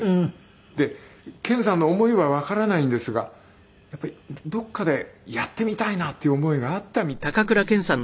で健さんの思いはわからないんですがやっぱりどこかでやってみたいなっていう思いがあったみたいでして。